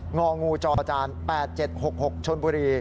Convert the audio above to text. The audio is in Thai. งองูจจาน๘๗๖๖ชม